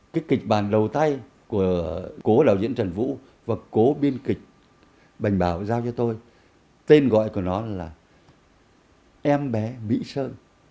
cái kịch bản đầu tay của cố đạo diễn trần vũ và cố biên kịch bành bảo giao cho tôi tên gọi của nó là em bé mỹ sơn